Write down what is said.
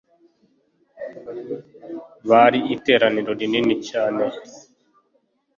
bari iteraniro rinini cyane